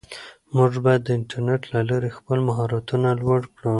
موږ باید د انټرنیټ له لارې خپل مهارتونه لوړ کړو.